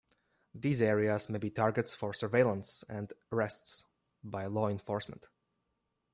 These areas may be targets for surveillance and arrests by law enforcement.